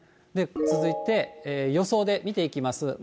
続いて予想で見ていきます。